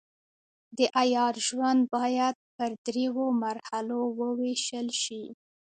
د عیار ژوند باید پر دریو مرحلو وویشل شي.